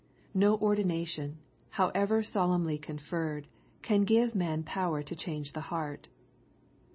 No ordina* tion, however solemnly conferred, can give man power to change the heart.